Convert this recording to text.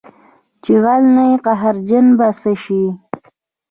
چې غل نه یې قهرجن په څه یې